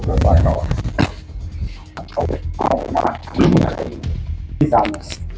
อ่ะอ่าวัฒนี่กลัว